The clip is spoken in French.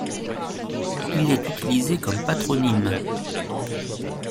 Il est utilisé comme patronyme.